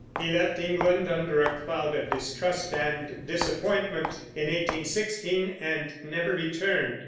He left England under a cloud of distrust and disappointment, in 1816, and never returned.